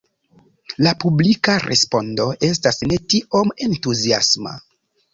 La publika respondo estas ne tiom entuziasma.